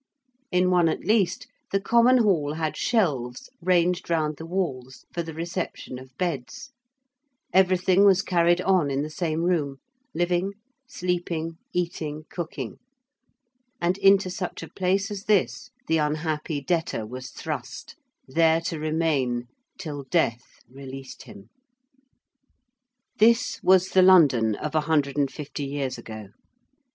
In one at least the common hall had shelves ranged round the walls for the reception of beds: everything was carried on in the same room, living, sleeping, eating, cooking. And into such a place as this the unhappy debtor was thrust, there to remain till death released him. [Illustration: THE OLD HOUSES OF PARLIAMENT AND WESTMINSTER ABBEY, 1803.] This was the London of a hundred and fifty years ago.